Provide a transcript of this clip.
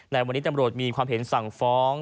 ในวันนี้ตำรวจมีความเห็นสั่งฟ้อง